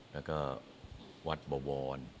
แล้วก็วัดบวร